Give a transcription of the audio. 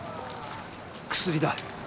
薬だ。